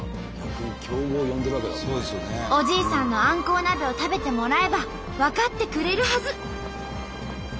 おじいさんのあんこう鍋を食べてもらえば分かってくれるはず。